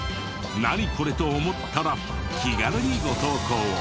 「ナニコレ？」と思ったら気軽にご投稿を。